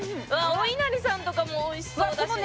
おいなりさんとかもおいしそうだしな